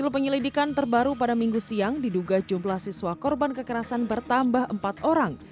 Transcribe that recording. penyelidikan terbaru pada minggu siang diduga jumlah siswa korban kekerasan bertambah empat orang